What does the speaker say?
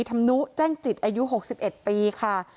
ธรรมนุแจ้งจิตอายุ๖๑ปีค่ะ